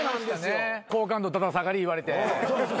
好感度だだ下がり言われて。